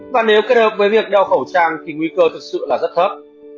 và nếu kết hợp với việc đeo khẩu trang thì nguy cơ thực sự là rất thấp